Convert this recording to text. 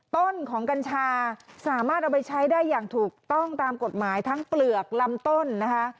ต้นของกัญชาสามารถเอาไปใช้ได้อย่างถูกต้องตามกฎหมายทั้งเปลือกลำต้นนะคะ